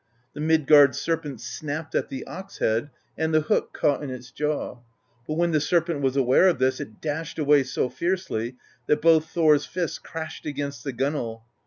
"The Midgard Serpent snapped at the ox head, and the hook caught in its jaw; but when the Serpent was aware of this, it dashed away so fiercely that both Thor's fists crashed against the gunwale.